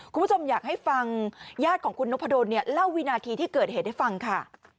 คุณผู้ชมอยากให้ฟังญาติของคุณนพดลเล่าวินาทีที่เกิดเหตุให้ฟังค่ะ